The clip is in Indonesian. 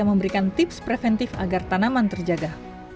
memberikan tips preventif agar tanaman terjaga